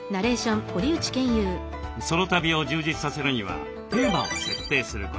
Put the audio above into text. ソロ旅を充実させるにはテーマを設定する。